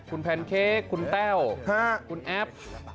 คุณแพนเค้กคุณแต้วคุณแอฟ